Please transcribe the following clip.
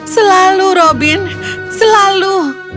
selalu robin selalu